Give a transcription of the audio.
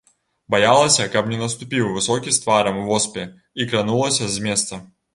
Баялася, каб не наступіў высокі з тварам у воспе, і кранулася з месца.